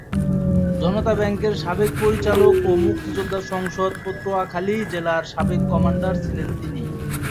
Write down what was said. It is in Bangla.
জনতা ব্যাংকের সাবেক পরিচালক ও মুক্তিযোদ্ধা সংসদ পটুয়াখালী জেলার সাবেক কমান্ডার ছিলেন তিনি।